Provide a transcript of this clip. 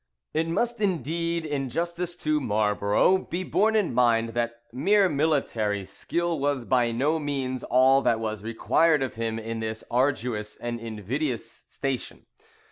It must indeed, in justice to Marlborough, be borne in mind, that mere military skill was by no means all that was required of him in this arduous and invidious station.